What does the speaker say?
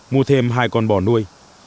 mua thêm hai con bò nuôi